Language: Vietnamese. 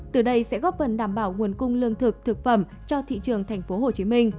từ đây sẽ góp phần đảm bảo nguồn cung lương thực thực phẩm cho thị trường tp hcm